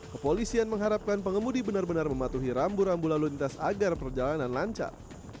kepolisian mengharapkan pengemudi benar benar mematuhi rambu rambu lalu lintas agar perjalanan lancar